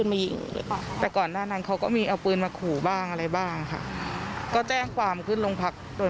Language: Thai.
อย่างที่บอกว่าเรื่องยังค้างอยู่ในชั้นศาลหลายคดีด้วย